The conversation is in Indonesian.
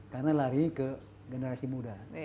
karena lari ke generasi muda